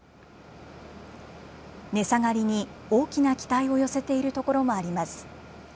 値下がりに大きな期待を寄せている所もあります。